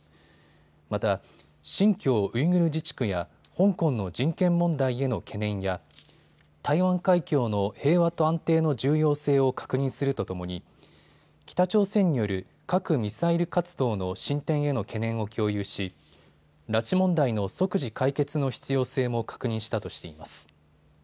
また新疆ウイグル自治区や香港の人権問題への懸念や台湾海峡の平和と安定の重要性を確認するとともに北朝鮮による核・ミサイル活動の進展への懸念を共有し拉致問題の即時解決の必要性も確認したとしています。